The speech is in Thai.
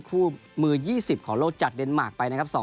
มือ๒๐ของโลกจากเดนมาร์คไปนะครับ